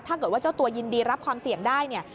ถ้าเกิดว่าเจ้าตัวยินดีรับความเสี่ยงได้เนี่ย